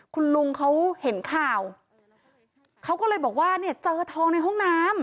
คุณลุงเขาเห็นข่าวเขาก็เลยบอกว่าเนี่ยเจอทองในห้องน้ำ